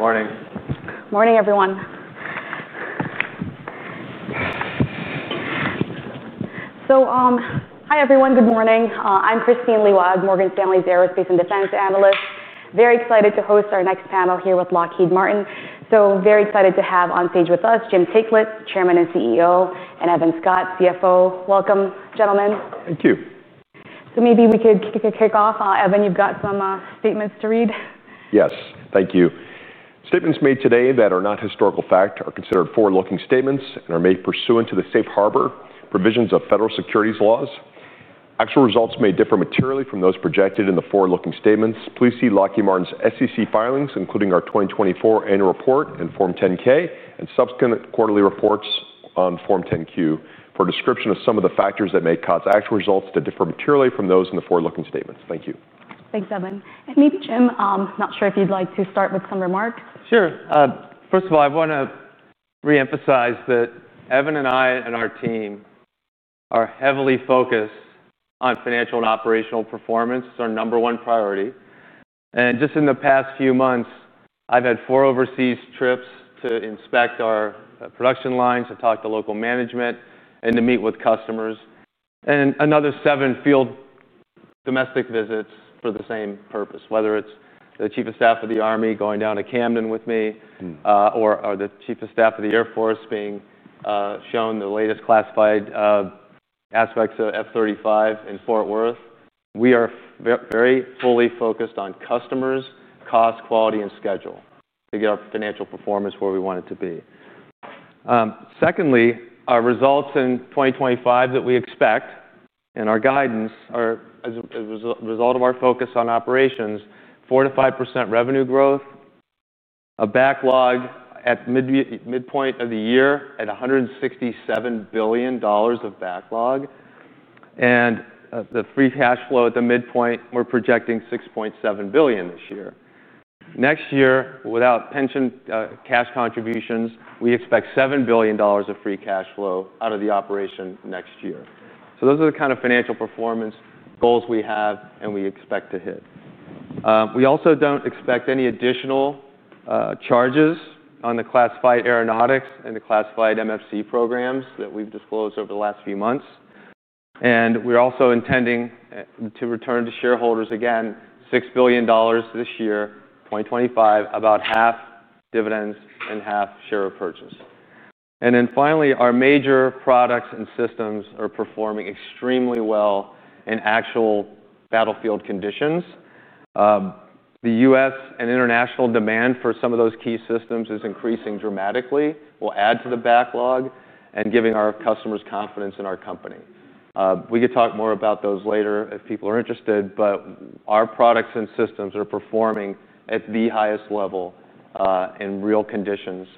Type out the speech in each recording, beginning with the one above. Morning. Good morning, everyone. I'm Kristine Liwag, Morgan Stanley's Aerospace and Defense Analyst. Very excited to host our next panel here with Lockheed Martin. Very excited to have on stage with us Jim Taiclet, Chairman and CEO, and Evan Scott, CFO. Welcome, gentlemen. Thank you. Maybe we could kick off. Evan, you've got some statements to read? Yes, thank you. Statements made today that are not historical fact are considered forward-looking statements and are made pursuant to the Safe Harbor provisions of federal securities laws. Actual results may differ materially from those projected in the forward-looking statements. Please see Lockheed Martin's SEC filings, including our 2024 annual report and Form 10-K, and subsequent quarterly reports on Form 10-Q for a description of some of the factors that may cause actual results to differ materially from those in the forward-looking statements. Thank you. Thanks, Evan. Jim, not sure if you'd like to start with some remarks? Sure. First of all, I want to reemphasize that Evan and I and our team are heavily focused on financial and operational performance. It's our number one priority. In just the past few months, I've had four overseas trips to inspect our production lines, to talk to local management, and to meet with customers, and another seven field domestic visits for the same purpose, whether it's the Chief of Staff of the Army going down to Camden with me, or the Chief of Staff of the Air Force being shown the latest classified aspects of F-35 in Fort Worth. We are very fully focused on customers, cost, quality, and schedule to get our financial performance where we want it to be. Secondly, our results in 2025 that we expect and our guidance are, as a result of our focus on operations, 4%-5% revenue growth, a backlog at the midpoint of the year at $167 billion of backlog, and the free cash flow at the midpoint, we're projecting $6.7 billion this year. Next year, without pension cash contributions, we expect $7 billion of free cash flow out of the operation next year. Those are the kind of financial performance goals we have and we expect to hit. We also don't expect any additional charges on the classified aeronautics and the classified MFC programs that we've disclosed over the last few months. We're also intending to return to shareholders again $6 billion this year, 2025, about half dividends and half share repurchases. Finally, our major products and systems are performing extremely well in actual battlefield conditions. The U.S. and international demand for some of those key systems is increasing dramatically, will add to the backlog, and giving our customers confidence in our company. We could talk more about those later if people are interested, but our products and systems are performing at the highest level in real conditions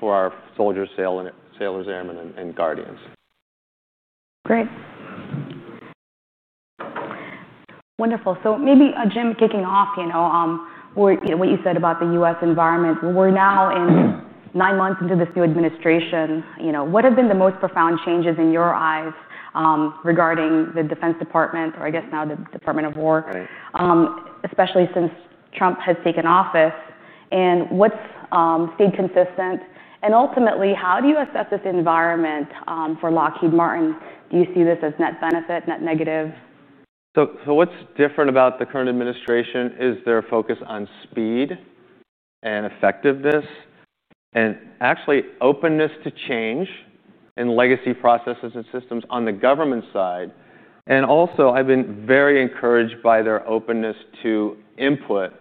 for our soldiers, sailors, airmen, and guardians. Great. Wonderful. Maybe Jim, kicking off, you know, what you said about the U.S. environment. We're now nine months into this new administration. What have been the most profound changes in your eyes regarding the Defense Department, or I guess now the Department of War, especially since Trump has taken office, and what's stayed consistent? Ultimately, how do you assess this environment for Lockheed Martin? Do you see this as net benefit, net negative? What's different about the current administration is their focus on speed and effectiveness and actually openness to change in legacy processes and systems on the government side. I've been very encouraged by their openness to input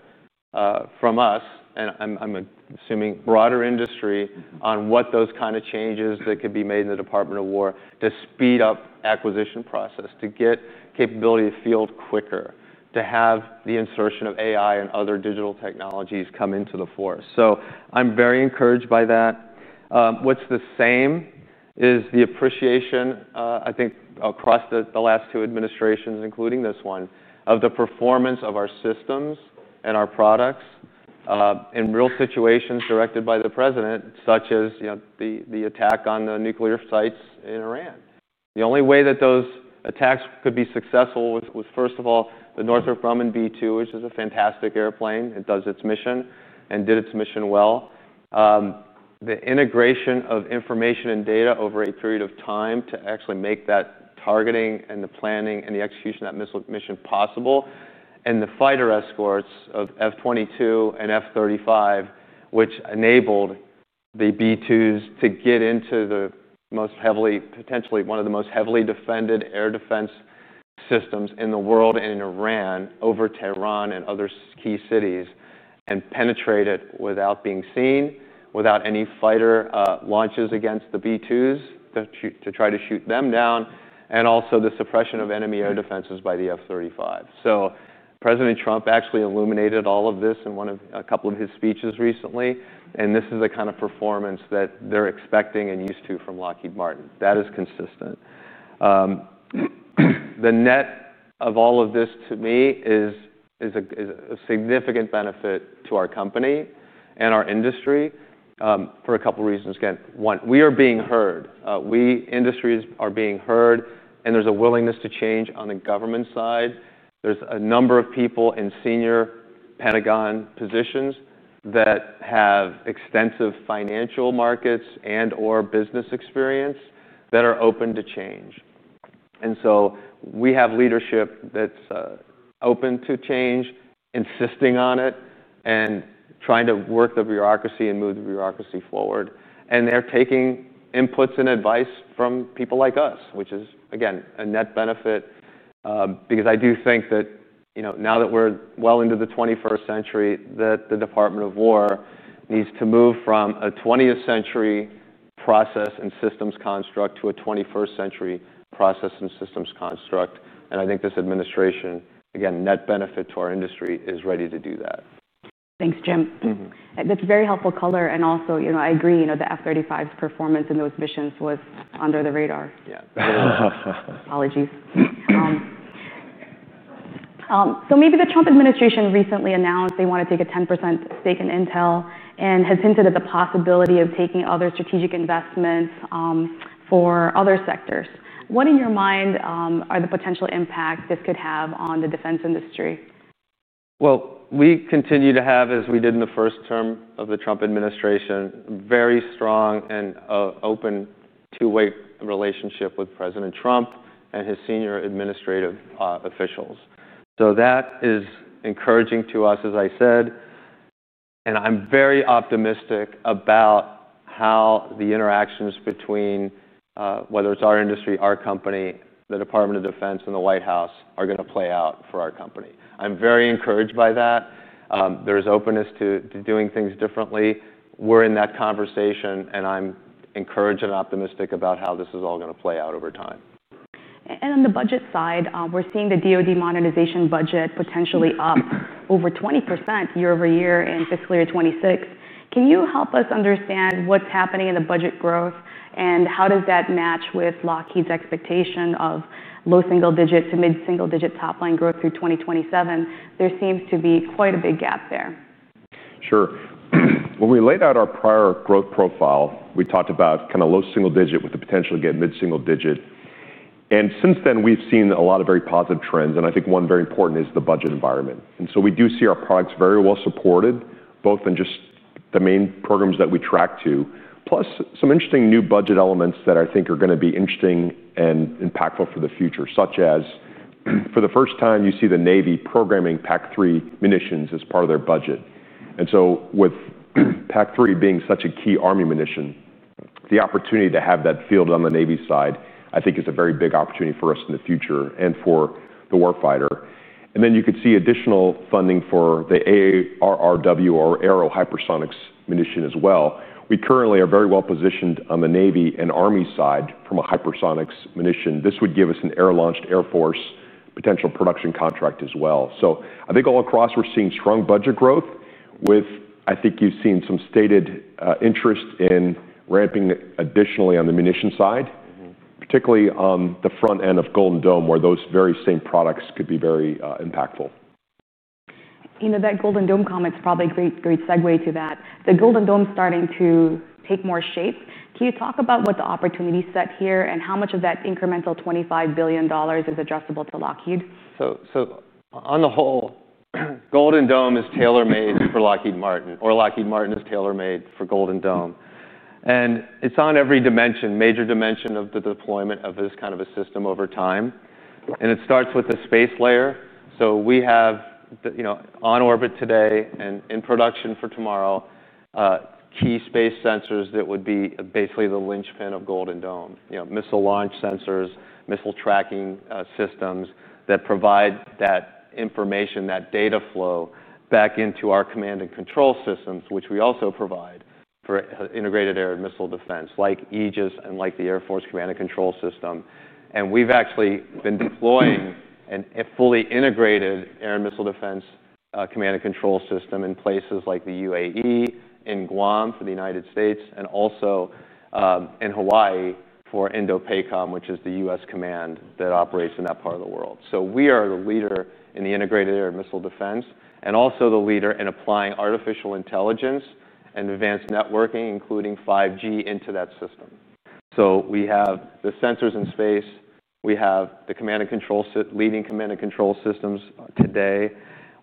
from us, and I'm assuming broader industry, on what those kind of changes that could be made in the Department of War to speed up acquisition process, to get capability to field quicker, to have the insertion of AI and other digital technologies come into the force. I'm very encouraged by that. What's the same is the appreciation, I think, across the last two administrations, including this one, of the performance of our systems and our products in real situations directed by the president, such as the attack on the nuclear sites in Iran. The only way that those attacks could be successful was, first of all, the Northrop Grumman B-2, which is a fantastic airplane. It does its mission and did its mission well. The integration of information and data over a period of time to actually make that targeting and the planning and the execution of that missile mission possible, and the fighter escorts of F-22 and F-35, which enabled the B-2s to get into the most heavily, potentially one of the most heavily defended air defense systems in the world and in Iran over Tehran and other key cities, and penetrate it without being seen, without any fighter launches against the B-2s to try to shoot them down, and also the suppression of enemy air defenses by the F-35. President Trump actually illuminated all of this in a couple of his speeches recently. This is the kind of performance that they're expecting and used to from Lockheed Martin. That is consistent. The net of all of this, to me, is a significant benefit to our company and our industry for a couple of reasons. One, we are being heard. We industries are being heard, and there's a willingness to change on the government side. There's a number of people in senior Pentagon positions that have extensive financial markets and/or business experience that are open to change. We have leadership that's open to change, insisting on it, and trying to work the bureaucracy and move the bureaucracy forward. They're taking inputs and advice from people like us, which is, again, a net benefit because I do think that now that we're well into the 21st century, the Department of War needs to move from a 20th-century process and systems construct to a 21st-century process and systems construct. I think this administration, again, net benefit to our industry, is ready to do that. Thanks, Jim. That's very helpful color. Also, I agree, the F-35's performance in those missions was under the radar. Yeah, that is. Apologies. Maybe the Trump administration recently announced they want to take a 10% stake in Intel and has hinted at the possibility of taking other strategic investments for other sectors. What, in your mind, are the potential impacts this could have on the defense industry? We continue to have, as we did in the first term of the Trump administration, a very strong and open two-way relationship with President Trump and his senior administrative officials. That is encouraging to us, as I said. I'm very optimistic about how the interactions between, whether it's our industry, our company, the Department of Defense, and the White House are going to play out for our company. I'm very encouraged by that. There is openness to doing things differently. We're in that conversation, and I'm encouraged and optimistic about how this is all going to play out over time. On the budget side, we're seeing the DOD modernization budget potentially up over 20% year-over-year in fiscal year 2026. Can you help us understand what's happening in the budget growth, and how does that match with Lockheed's expectation of low single-digit to mid-single-digit top-line growth through 2027? There seems to be quite a big gap there. Sure. When we laid out our prior growth profile, we talked about kind of low single-digit with the potential to get mid-single-digit. Since then, we've seen a lot of very positive trends. I think one very important is the budget environment. We do see our products very well supported, both in just the main programs that we track to, plus some interesting new budget elements that I think are going to be interesting and impactful for the future, such as for the first time you see the Navy programming PAC-3 munitions as part of their budget. With PAC-3 being such a key Army munition, the opportunity to have that field on the Navy side, I think, is a very big opportunity for us in the future and for the warfighter. You could see additional funding for the ARRW, or aerial hypersonics munition, as well. We currently are very well positioned on the Navy and Army side from a hypersonics munition. This would give us an air-launched Air Force potential production contract as well. I think all across we're seeing strong budget growth, with I think you've seen some stated interest in ramping additionally on the munition side, particularly on the front end of Golden Dome, where those very same products could be very impactful. You know, that Golden Dome comment's probably a great segue to that. The Golden Dome is starting to take more shape. Can you talk about what the opportunity is set here and how much of that incremental $25 billion is adjustable to Lockheed Martin? On the whole, Golden Dome is tailor-made for Lockheed Martin, or Lockheed Martin is tailor-made for Golden Dome. It's on every major dimension of the deployment of this kind of a system over time. It starts with the space layer. We have, on orbit today and in production for tomorrow, key space sensors that would be basically the linchpin of Golden Dome, missile launch sensors, missile tracking systems that provide that information, that data flow back into our command and control systems, which we also provide for integrated air and missile defense, like Aegis and like the Air Force Command and Control System. We've actually been deploying a fully integrated air and missile defense command and control system in places like the UAE, in Guam for the United States, and also in Hawaii for INDOPACOM, which is the U.S. command that operates in that part of the world. We are the leader in the integrated air and missile defense and also the leader in applying artificial intelligence and advanced networking, including 5G, into that system. We have the sensors in space. We have the leading command and control systems today.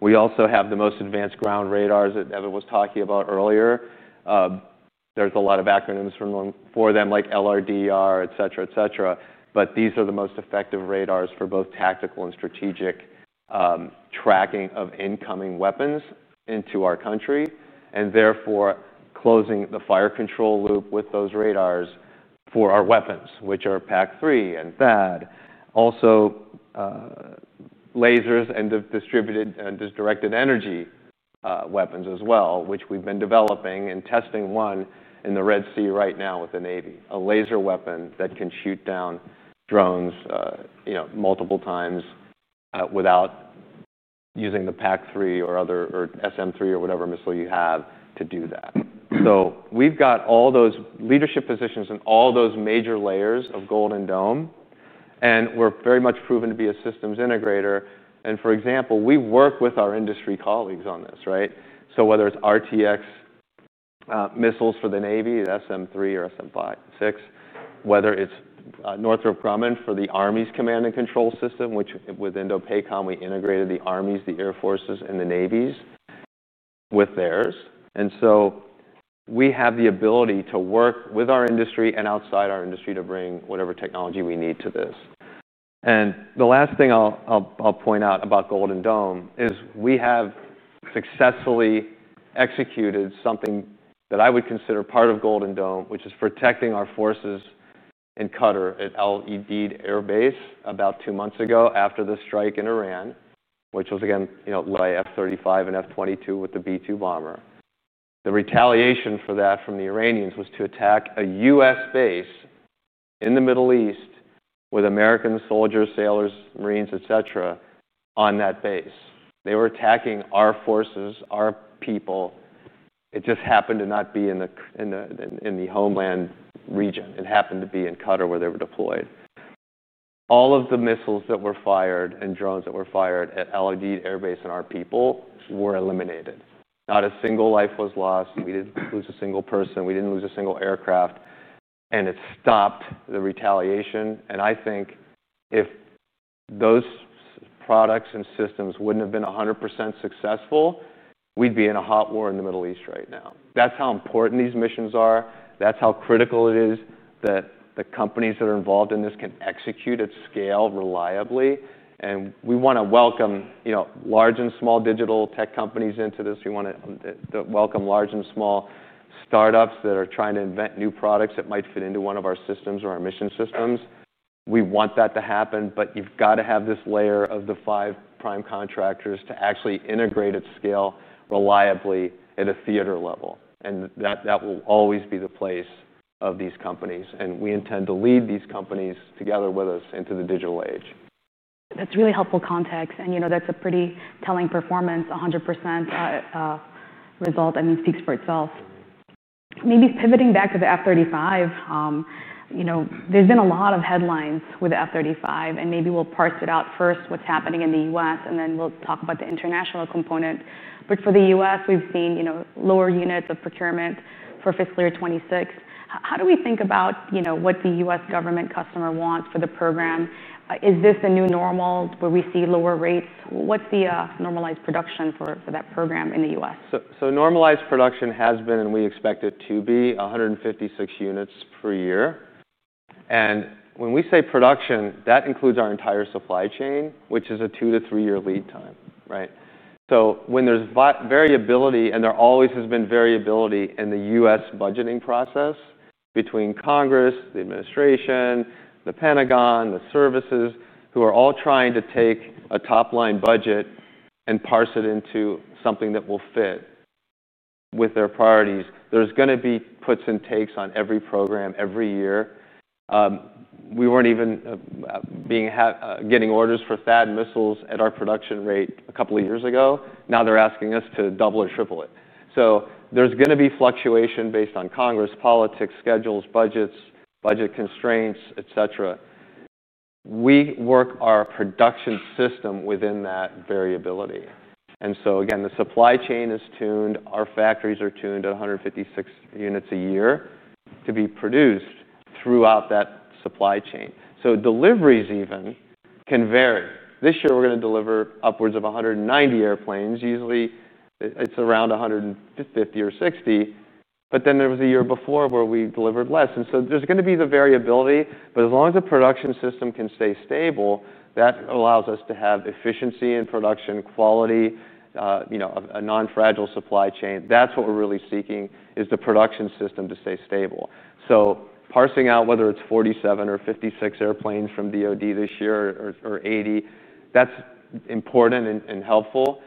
We also have the most advanced ground radars that Evan was talking about earlier. There are a lot of acronyms for them, like LRDR, etc., etc. These are the most effective radars for both tactical and strategic tracking of incoming weapons into our country and therefore closing the fire control loop with those radars for our weapons, which are PAC-3 and THAAD, also lasers and distributed and directed energy weapons as well, which we've been developing and testing one in the Red Sea right now with the Navy, a laser weapon that can shoot down drones multiple times without using the PAC-3 or other or SM-3 or whatever missile you have to do that. We've got all those leadership positions and all those major layers of Golden Dome, and we're very much proven to be a systems integrator. For example, we work with our industry colleagues on this, right? Whether it's RTX missiles for the Navy, the SM-3 or SM-6, whether it's Northrop Grumman for the Army's command and control system, which with INDOPACOM we integrated the Army's, the Air Force's, and the Navy's with theirs. We have the ability to work with our industry and outside our industry to bring whatever technology we need to this. The last thing I'll point out about Golden Dome is we have successfully executed something that I would consider part of Golden Dome, which is protecting our forces in Qatar at Al Udeid Air Base about two months ago after the strike in Iran, which was, again, you know, by F-35 and F-22 with the B-2 bomber. The retaliation for that from the Iranians was to attack a U.S. base in the Middle East with American soldiers, sailors, marines, et cetera, on that base. They were attacking our forces, our people. It just happened to not be in the homeland region. It happened to be in Qatar where they were deployed. All of the missiles that were fired and drones that were fired at Al Udeid Air Base and our people were eliminated. Not a single life was lost. We didn't lose a single person. We didn't lose a single aircraft. It stopped the retaliation. I think if those products and systems wouldn't have been 100% successful, we'd be in a hot war in the Middle East right now. That's how important these missions are. That's how critical it is that the companies that are involved in this can execute at scale reliably. We want to welcome, you know, large and small digital tech companies into this. We want to welcome large and small startups that are trying to invent new products that might fit into one of our systems or our mission systems. We want that to happen, but you've got to have this layer of the five prime contractors to actually integrate at scale reliably at a theater level. That will always be the place of these companies. We intend to lead these companies together with us into the digital age. That's really helpful context. You know, that's a pretty telling performance, 100% result. I mean, speaks for itself. Maybe pivoting back to the F-35, you know, there's been a lot of headlines with the F-35. Maybe we'll parse it out first, what's happening in the U.S., and then we'll talk about the international component. For the U.S., we've seen lower units of procurement for fiscal year 2026. How do we think about what the U.S. government customer wants for the program? Is this a new normal where we see lower rates? What's the normalized production for that program in the U.S.? Normalized production has been, and we expect it to be, 156 units per year. When we say production, that includes our entire supply chain, which is a two to three-year lead time, right? When there's variability, and there always has been variability in the U.S. budgeting process between Congress, the administration, the Pentagon, the services, who are all trying to take a top-line budget and parse it into something that will fit with their priorities, there's going to be puts and takes on every program every year. We weren't even getting orders for THAAD missiles at our production rate a couple of years ago. Now they're asking us to double or triple it. There's going to be fluctuation based on Congress, politics, schedules, budgets, budget constraints, etc. We work our production system within that variability. The supply chain is tuned. Our factories are tuned at 156 units a year to be produced throughout that supply chain. Deliveries even can vary. This year, we're going to deliver upwards of 190 airplanes. Usually, it's around 150 or 160. There was a year before where we delivered less. There's going to be the variability. As long as the production system can stay stable, that allows us to have efficiency in production, quality, a non-fragile supply chain. That's what we're really seeking is the production system to stay stable. Parsing out whether it's 47 or 56 airplanes from DOD this year or 80, that's important and helpful.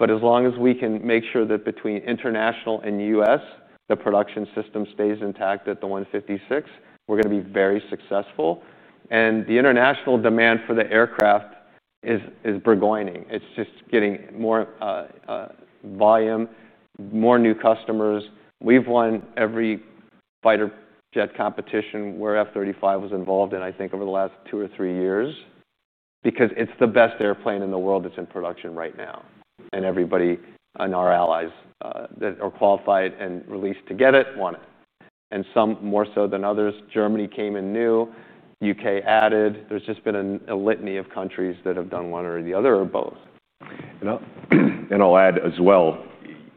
As long as we can make sure that between international and U.S., the production system stays intact at the 156, we're going to be very successful. The international demand for the aircraft is burgeoning. It's just getting more volume, more new customers. We've won every fighter jet competition where F-35 was involved in, I think, over the last two or three years because it's the best airplane in the world that's in production right now. Everybody and our allies that are qualified and released to get it want it. Some more so than others. Germany came in new. UK added. There's just been a litany of countries that have done one or the other or both. I'll add as well,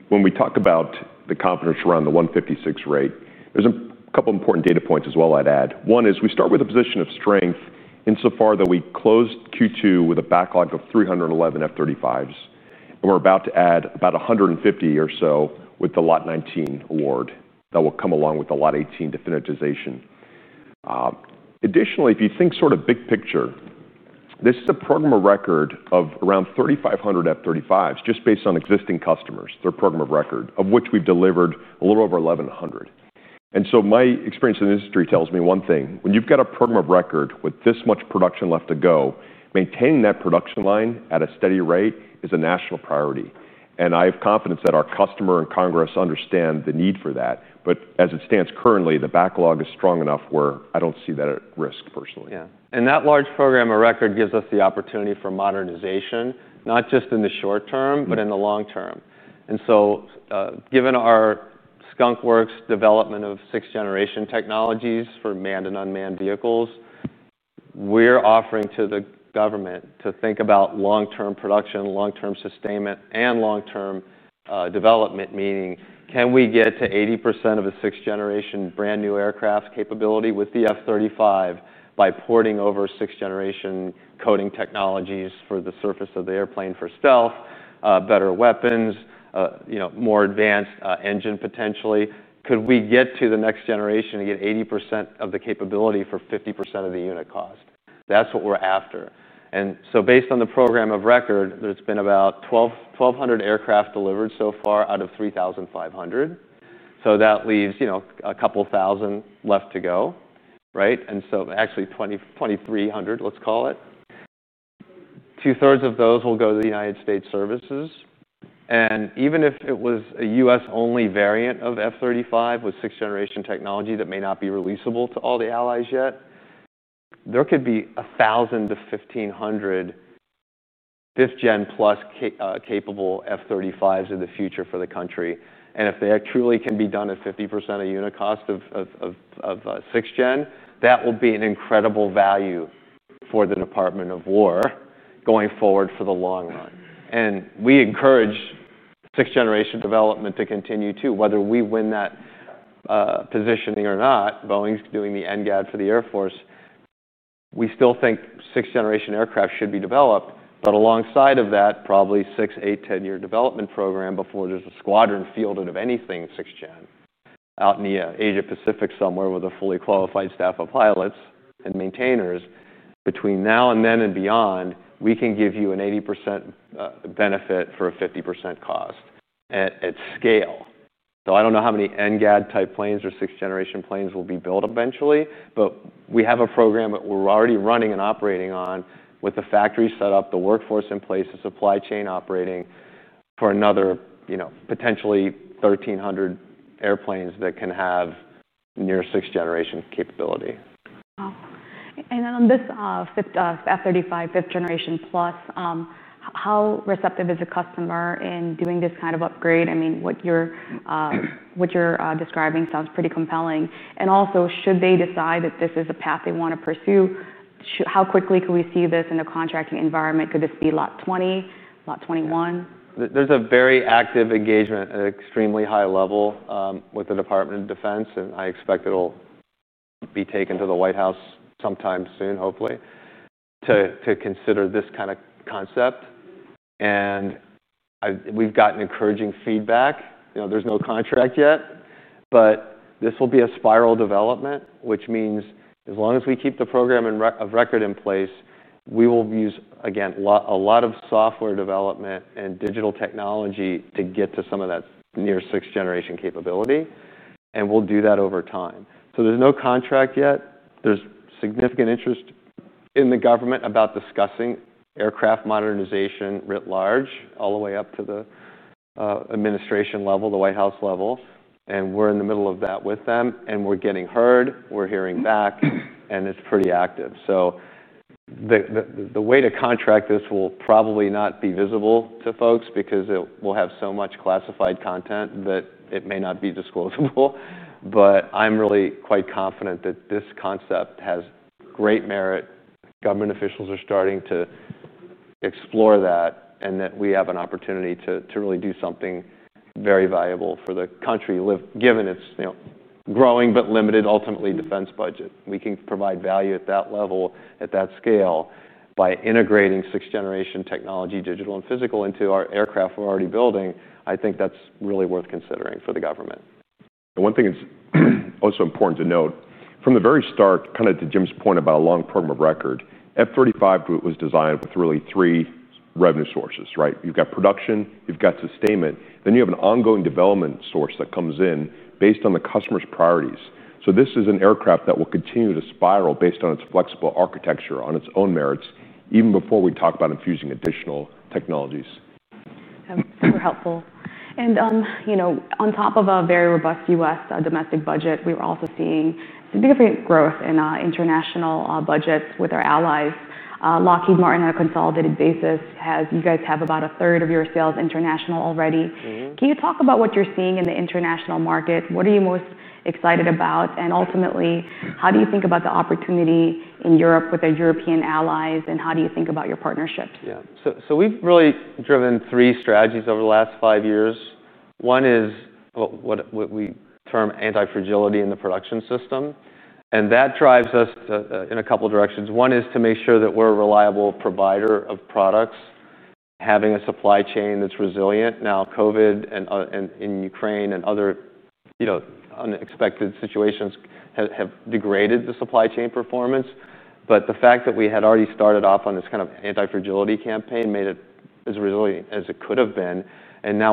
when we talk about the confidence around the 156 rate, there's a couple of important data points as well I'd add. One is we start with a position of strength insofar that we closed Q2 with a backlog of 311 F-35s. We're about to add about 150 or so with the Lot 19 award that will come along with the Lot 18 definitization. Additionally, if you think sort of big picture, this is a program of record of around 3,500 F-35s just based on existing customers, their program of record, of which we've delivered a little over 1,100. My experience in the industry tells me one thing. When you've got a program of record with this much production left to go, maintaining that production line at a steady rate is a national priority. I have confidence that our customer and Congress understand the need for that. As it stands currently, the backlog is strong enough where I don't see that at risk, personally. Yeah. That large program of record gives us the opportunity for modernization, not just in the short term, but in the long term. Given our Skunk Works development of sixth-generation technologies for manned and unmanned vehicles, we're offering to the government to think about long-term production, long-term sustainment, and long-term development, meaning can we get to 80% of a sixth-generation brand new aircraft's capability with the F-35 by porting over sixth-generation coating technologies for the surface of the airplane for stealth, better weapons, more advanced engine potentially? Could we get to the next generation and get 80% of the capability for 50% of the unit cost? That's what we're after. Based on the program of record, there's been about 1,200 aircraft delivered so far out of 3,500. That leaves a couple thousand left to go, right? Actually 2,300, let's call it. Two-thirds of those will go to the United State services. Even if it was a U.S.-only variant of F-35 with sixth-generation technology that may not be releasable to all the allies yet, there could be 1,000 to 1,500 fifth-gen plus capable F-35s in the future for the country. If that truly can be done at 50% of unit cost of sixth-gen, that will be an incredible value for the Department of War going forward for the long run. We encourage sixth-generation development to continue too. Whether we win that positioning or not, Boeing's doing the NGAD for the Air Force. We still think sixth-generation aircraft should be developed. Alongside of that, probably six, eight, 10-year development program before there's a squadron fielded of anything sixth-gen out in the Asia-Pacific somewhere with a fully qualified staff of pilots and maintainers. Between now and then and beyond, we can give you an 80% benefit for a 50% cost at scale. I don't know how many NGAD-type planes or sixth-generation planes will be built eventually, but we have a program that we're already running and operating on with the factory set up, the workforce in place, the supply chain operating for another potentially 1,300 airplanes that can have near sixth-generation capability. Wow. On this F-35, fifth-generation plus, how receptive is the customer in doing this kind of upgrade? What you're describing sounds pretty compelling. Also, should they decide that this is a path they want to pursue, how quickly can we see this in a contracting environment? Could this be Lot 20, Lot 21? There's a very active engagement at an extremely high level with the Department of Defense. I expect it'll be taken to the White House sometime soon, hopefully, to consider this kind of concept. We've gotten encouraging feedback. There's no contract yet. This will be a spiral development, which means as long as we keep the program of record in place, we will use, again, a lot of software development and digital technology to get to some of that near sixth-generation capability. We'll do that over time. There's no contract yet. There's significant interest in the government about discussing aircraft modernization writ large all the way up to the administration level, the White House level. We're in the middle of that with them. We're getting heard. We're hearing back. It's pretty active. The way to contract this will probably not be visible to folks because it will have so much classified content that it may not be disclosable. I'm really quite confident that this concept has great merit. Government officials are starting to explore that and that we have an opportunity to really do something very valuable for the country, given its, you know, growing but limited, ultimately defense budget. We can provide value at that level, at that scale, by integrating sixth-generation technology, digital and physical, into our aircraft we're already building. I think that's really worth considering for the government. One thing that's also important to note, from the very start, kind of to Jim's point about a long program of record, F-35 was designed with really three revenue sources, right? You've got production, you've got sustainment, then you have an ongoing development source that comes in based on the customer's priorities. This is an aircraft that will continue to spiral based on its flexible architecture, on its own merits, even before we talk about infusing additional technologies. That's super helpful. You know, on top of a very robust U.S. domestic budget, we are also seeing significant growth in international budgets with our allies. Lockheed Martin on a consolidated basis has, you guys have about 1/3 of your sales international already. Can you talk about what you're seeing in the international market? What are you most excited about? Ultimately, how do you think about the opportunity in Europe with our European allies? How do you think about your partnerships? Yeah. We've really driven three strategies over the last five years. One is what we term anti-fragility in the production system. That drives us in a couple of directions. One is to make sure that we're a reliable provider of products, having a supply chain that's resilient. COVID, in Ukraine, and other unexpected situations have degraded the supply chain performance. The fact that we had already started off on this kind of anti-fragility campaign made it as resilient as it could have been.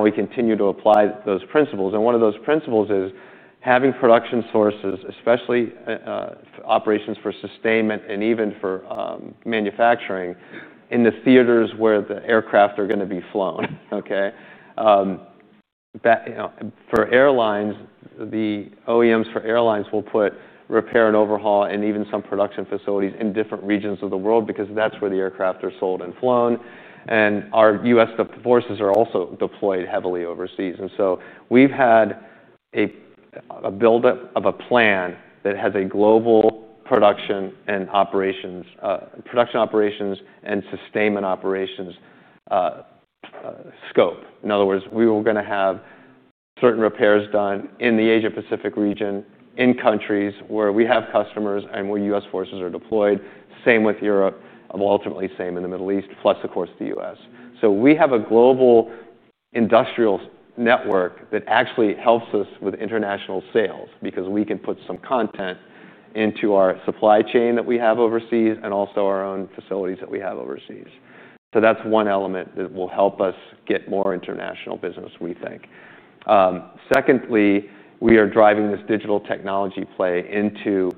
We continue to apply those principles. One of those principles is having production sources, especially operations for sustainment and even for manufacturing, in the theaters where the aircraft are going to be flown. For airlines, the OEMs for airlines will put repair and overhaul and even some production facilities in different regions of the world because that's where the aircraft are sold and flown. Our U.S. forces are also deployed heavily overseas. We've had a build-up of a plan that has a global production and operations, production operations, and sustainment operations scope. In other words, we were going to have certain repairs done in the Asia-Pacific region in countries where we have customers and where U.S. forces are deployed, same with Europe, and ultimately same in the Middle East, plus of course the U.S. We have a global industrial network that actually helps us with international sales because we can put some content into our supply chain that we have overseas and also our own facilities that we have overseas. That's one element that will help us get more international business, we think. Secondly, we are driving this digital technology play into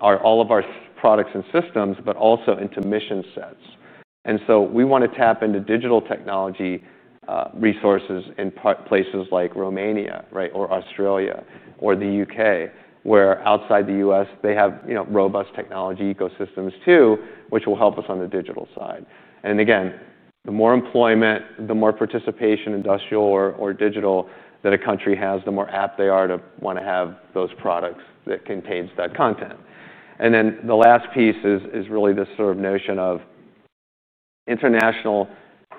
all of our products and systems, but also into mission sets. We want to tap into digital technology resources in places like Romania, or Australia, or the UK, where outside the U.S., they have robust technology ecosystems too, which will help us on the digital side. The more employment, the more participation, industrial or digital, that a country has, the more apt they are to want to have those products that contain that content. The last piece is really this sort of notion of international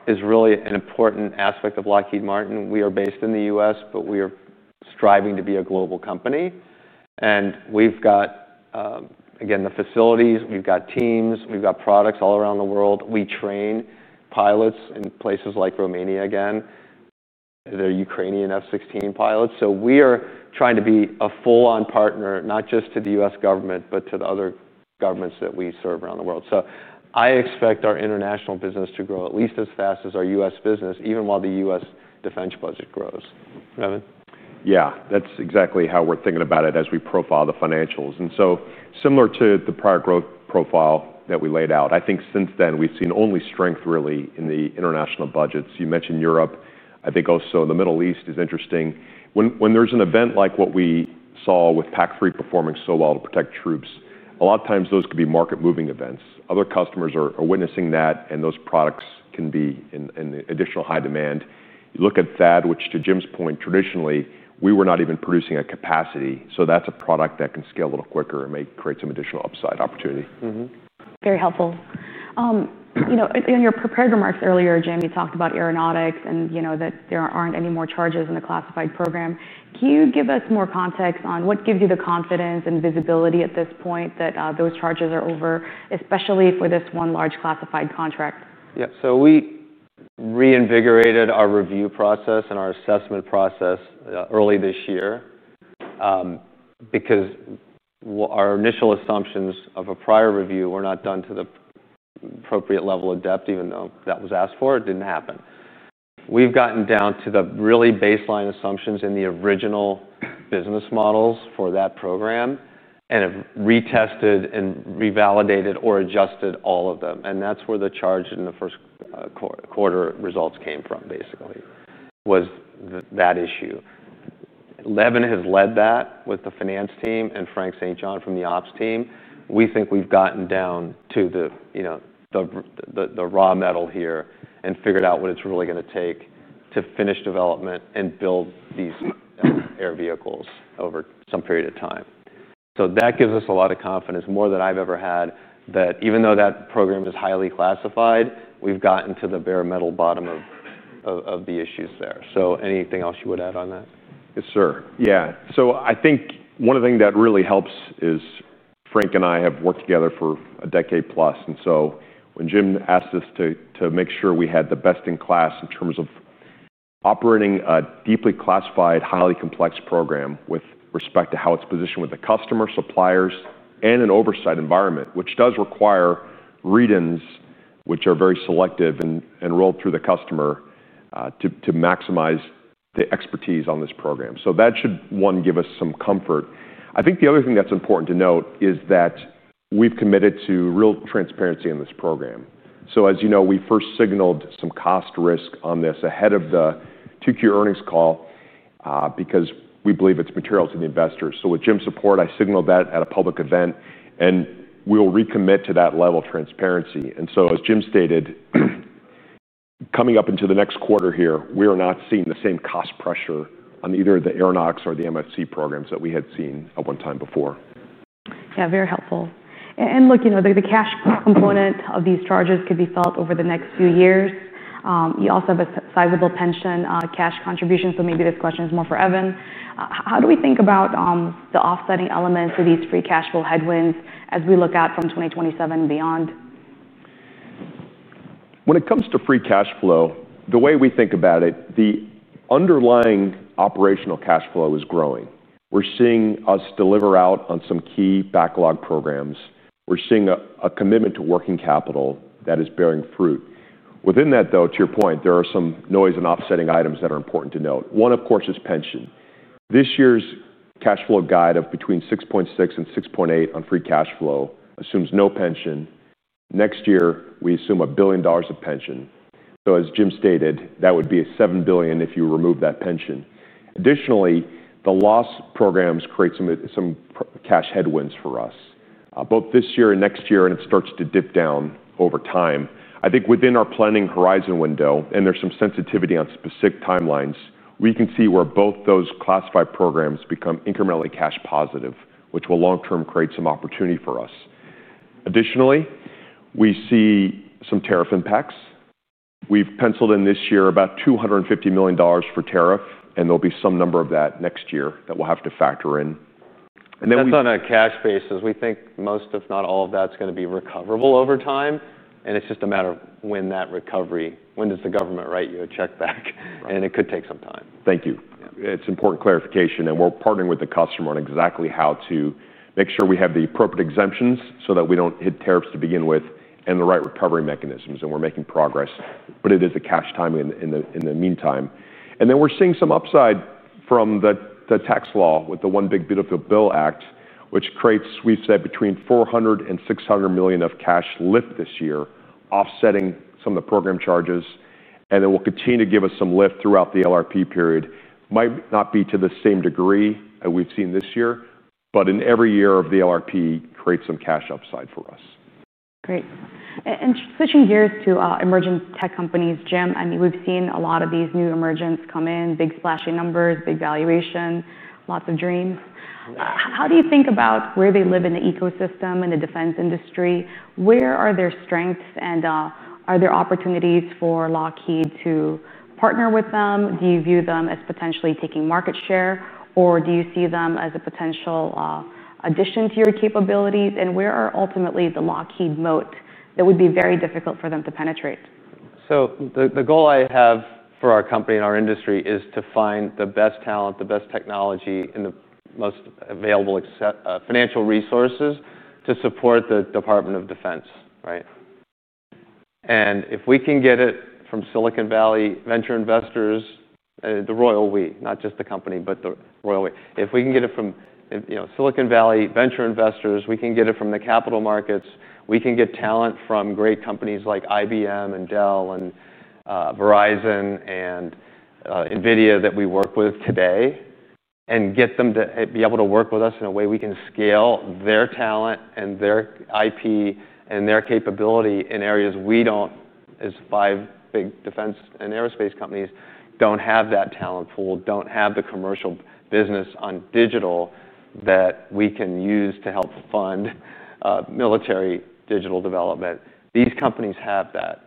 is really an important aspect of Lockheed Martin. We are based in the U.S., but we are striving to be a global company. We've got, again, the facilities. We've got teams. We've got products all around the world. We train pilots in places like Romania, again. They're Ukrainian F-16 pilots. We are trying to be a full-on partner, not just to the U.S. government, but to the other governments that we serve around the world. I expect our international business to grow at least as fast as our U.S. business, even while the U.S. defense budget grows. Yeah, that's exactly how we're thinking about it as we profile the financials. Similar to the prior growth profile that we laid out, I think since then, we've seen only strength really in the international budgets. You mentioned Europe. I think also in the Middle East is interesting. When there's an event like what we saw with PAC-3 performing so well to protect troops, a lot of times those could be market-moving events. Other customers are witnessing that, and those products can be in additional high demand. You look at THAAD, which to Jim's point, traditionally, we were not even producing at capacity. That's a product that can scale a little quicker and may create some additional upside opportunity. Very helpful. In your prepared remarks earlier, Jim, you talked about aeronautics and you know that there aren't any more charges in the classified program. Can you give us more context on what gives you the confidence and visibility at this point that those charges are over, especially for this one large classified contract? Yeah, we reinvigorated our review process and our assessment process early this year because our initial assumptions of a prior review were not done to the appropriate level of depth. Even though that was asked for, it didn't happen. We've gotten down to the really baseline assumptions in the original business models for that program and have retested and revalidated or adjusted all of them. That's where the charge in the first quarter results came from, basically, was that issue. Evan has led that with the finance team and Frank St. John from the ops team. We think we've gotten down to the raw metal here and figured out what it's really going to take to finish development and build these air vehicles over some period of time. That gives us a lot of confidence, more than I've ever had, that even though that program is highly classified, we've gotten to the bare metal bottom of the issues there. Anything else you would add on that? Yes, sir. I think one of the things that really helps is Frank and I have worked together for a decade plus. When Jim asked us to make sure we had the best in class in terms of operating a deeply classified, highly complex program with respect to how it's positioned with the customer, suppliers, and an oversight environment, which does require read-ins which are very selective and rolled through the customer to maximize the expertise on this program, that should, one, give us some comfort. I think the other thing that's important to note is that we've committed to real transparency in this program. As you know, we first signaled some cost risk on this ahead of the Q2 earnings call because we believe it's material to the investors. With Jim's support, I signaled that at a public event, and we will recommit to that level of transparency. As Jim stated, coming up into the next quarter here, we are not seeing the same cost pressure on either the Aeronautics or the MFC programs that we had seen at one time before. Yeah, very helpful. You know, the cash component of these charges could be felt over the next few years. You also have a sizable pension on cash contribution. Maybe this question is more for Evan. How do we think about the offsetting elements of these free cash flow headwinds as we look out from 2027 and beyond? When it comes to free cash flow, the way we think about it, the underlying operational cash flow is growing. We're seeing us deliver out on some key backlog programs. We're seeing a commitment to working capital that is bearing fruit. Within that, though, to your point, there are some noise and offsetting items that are important to note. One, of course, is pension. This year's cash flow guide of between $6.6 billion and $6.8 billion on free cash flow assumes no pension. Next year, we assume $1 billion of pension. Though, as Jim stated, that would be $7 billion if you remove that pension. Additionally, the loss programs create some cash headwinds for us, both this year and next year, and it starts to dip down over time. I think within our planning horizon window, and there's some sensitivity on specific timelines, we can see where both those classified programs become incrementally cash positive, which will long-term create some opportunity for us. Additionally, we see some tariff impacts. We've penciled in this year about $250 million for tariff, and there'll be some number of that next year that we'll have to factor in. On a cash basis, we think most, if not all, of that's going to be recoverable over time. It's just a matter of when that recovery, when does the government write you a check back? It could take some time. Thank you. It's important clarification. We're partnering with the customer on exactly how to make sure we have the appropriate exemptions so that we don't hit tariffs to begin with and the right recovery mechanisms. We're making progress. It is a cash timing in the meantime. We're seeing some upside from the tax law with the One Big Beautiful Bill Act, which creates, we've said, between $400 million and $600 million of cash lift this year, offsetting some of the program charges. It will continue to give us some lift throughout the LRP period. It might not be to the same degree that we've seen this year, but in every year of the LRP, create some cash upside for us. Great. Switching gears to emerging tech companies, Jim, we've seen a lot of these new emergents come in, big splashy numbers, big valuation, lots of dreams. How do you think about where they live in the ecosystem in the defense industry? Where are their strengths? Are there opportunities for Lockheed to partner with them? Do you view them as potentially taking market share? Do you see them as a potential addition to your capabilities? Where are ultimately the Lockheed moat that would be very difficult for them to penetrate? The goal I have for our company and our industry is to find the best talent, the best technology, and the most available financial resources to support the Department of Defense, right? If we can get it from Silicon Valley venture investors, the royal we, not just the company, but the royal we, if we can get it from Silicon Valley venture investors, we can get it from the capital markets. We can get talent from great companies like IBM, Dell, Verizon, and NVIDIA that we work with today and get them to be able to work with us in a way we can scale their talent and their IP and their capability in areas we do not, as five big defense and aerospace companies, do not have that talent pool, do not have the commercial business on digital that we can use to help fund military digital development. These companies have that.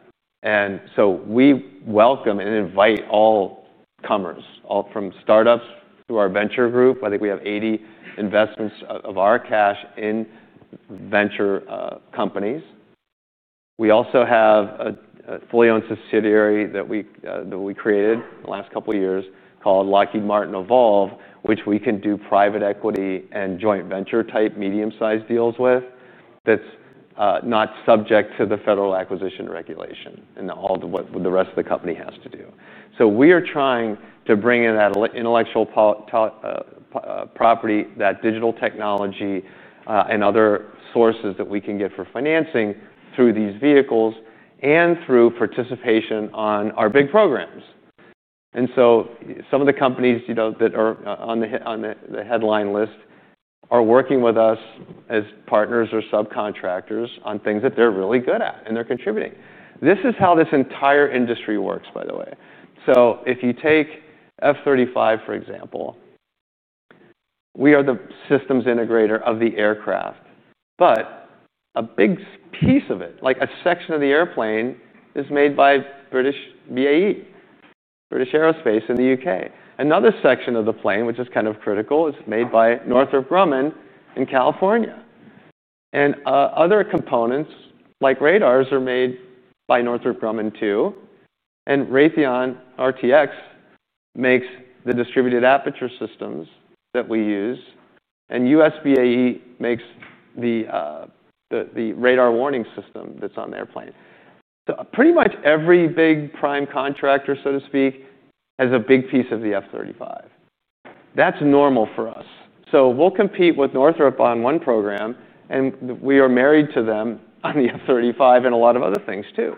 We welcome and invite all comers, all from startups through our venture group. I think we have 80 investments of our cash in venture companies. We also have a fully owned subsidiary that we created the last couple of years called Lockheed Martin Evolve, which we can do private equity and joint venture type medium-sized deals with that is not subject to the federal acquisition regulation and all the rest of the company has to do. We are trying to bring in that intellectual property, that digital technology, and other sources that we can get for financing through these vehicles and through participation on our big programs. Some of the companies that are on the headline list are working with us as partners or subcontractors on things that they are really good at and they are contributing. This is how this entire industry works, by the way. If you take F-35, for example, we are the systems integrator of the aircraft. A big piece of it, like a section of the airplane, is made by British BAE, British Aerospace in the UK. Another section of the plane, which is kind of critical, is made by Northrop Grumman in California. Other components like radars are made by Northrop Grumman too. Raytheon RTX makes the distributed aperture systems that we use. U.S. BAE makes the radar warning system that is on the airplane. Pretty much every big prime contractor, so to speak, has a big piece of the F-35. That is normal for us. We will compete with Northrop on one program, and we are married to them on the F-35 and a lot of other things too.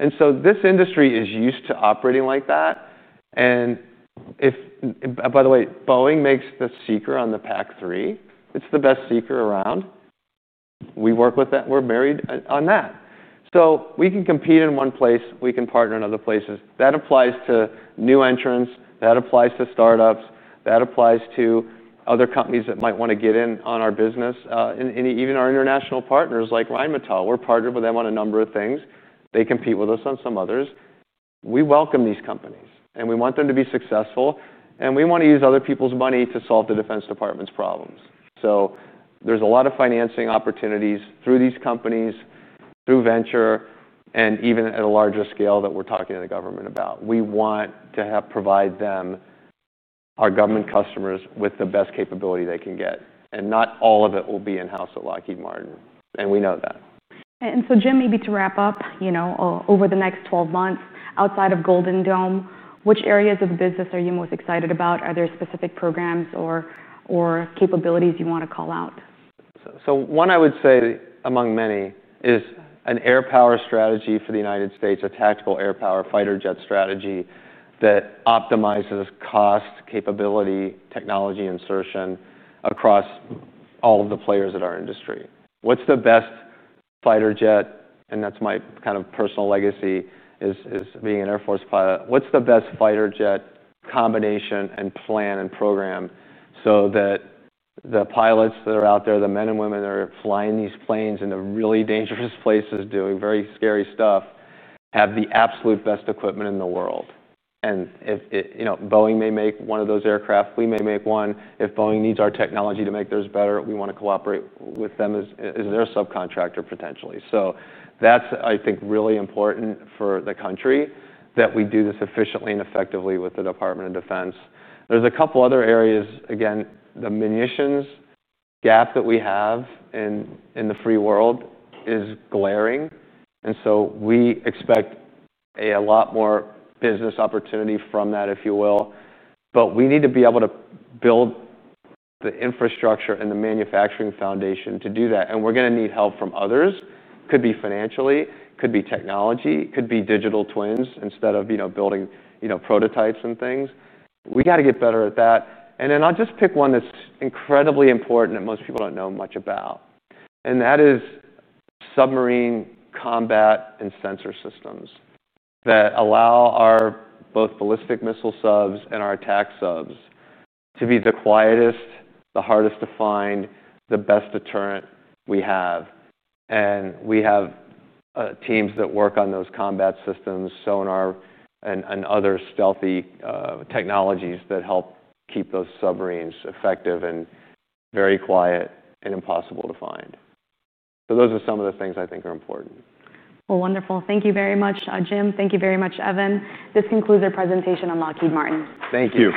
This industry is used to operating like that. By the way, Boeing makes the Seeker on the PAC-3. It's the best Seeker around. We work with that. We're married on that. We can compete in one place, and we can partner in other places. That applies to new entrants, startups, and other companies that might want to get in on our business, and even our international partners like Rheinmetall. We're partnered with them on a number of things, and they compete with us on some others. We welcome these companies, and we want them to be successful. We want to use other people's money to solve the Defense Department's problems. There are a lot of financing opportunities through these companies, through venture, and even at a larger scale that we're talking to the government about. We want to provide our government customers with the best capability they can get, and not all of it will be in-house at Lockheed Martin. We know that. Jim, maybe to wrap up, over the next 12 months, outside of Golden Dome, which areas of the business are you most excited about? Are there specific programs or capabilities you want to call out? One I would say among many is an air power strategy for the United States, a tactical air power fighter jet strategy that optimizes cost, capability, technology insertion across all of the players in our industry. What's the best fighter jet? That's my kind of personal legacy as being an Air Force pilot. What's the best fighter jet combination and plan and program so that the pilots that are out there, the men and women that are flying these planes into really dangerous places, doing very scary stuff, have the absolute best equipment in the world? If, you know, Boeing may make one of those aircraft, we may make one. If Boeing needs our technology to make theirs better, we want to cooperate with them as their subcontractor potentially. I think that's really important for the country that we do this efficiently and effectively with the Department of Defense. There are a couple other areas. Again, the munitions gap that we have in the free world is glaring. We expect a lot more business opportunity from that, if you will. We need to be able to build the infrastructure and the manufacturing foundation to do that. We're going to need help from others. Could be financially, could be technology, could be digital twins instead of building prototypes and things. We got to get better at that. I'll just pick one that's incredibly important that most people don't know much about, and that is submarine combat and sensor systems that allow both our ballistic missile subs and our attack subs to be the quietest, the hardest to find, the best deterrent we have. We have teams that work on those combat systems, sonar and other stealthy technologies that help keep those submarines effective and very quiet and impossible to find. Those are some of the things I think are important. Thank you very much, Jim. Thank you very much, Evan. This concludes our presentation on Lockheed Martin. Thank you.